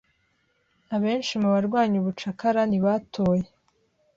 Abenshi mu barwanya ubucakara ntibatoye.